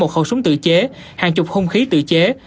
một khẩu súng tự chế hàng chục hung khí tự chế